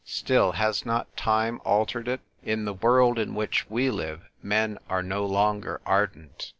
Still, has not time altered it ? In the world in which we live men are no longer ardent.